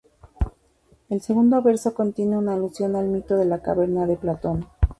El segundo verso contiene una alusión al Mito de la caverna de Platón.